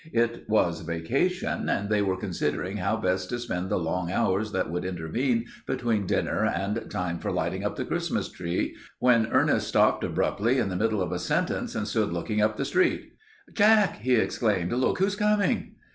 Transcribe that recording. It was vacation, and they were considering how best to spend the long hours that would intervene between dinner and time for lighting up the Christmas tree, when Ernest stopped abruptly in the middle of a sentence and stood looking up the street. "Jack!" he exclaimed. "Look who's coming!"